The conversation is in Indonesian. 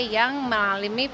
yang melalui peningkatan